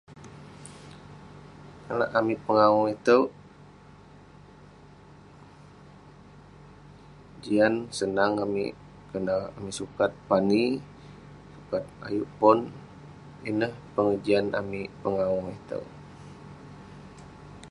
[unintelligible] amik pengawu iteuk...jian, senang amik karna amik sukat pani, sukat ayuk pon. Ineh pengejian amik pengawu iteuk.